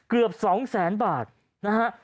เกือบ๒แสนบาทนะฮะ